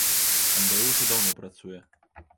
Андрэй ужо даўно працуе.